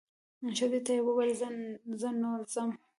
ښځې ته یې وویل زه نو ځم.